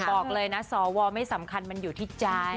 บอกเลยนะสวไม่สำคัญมันอยู่ที่ใจ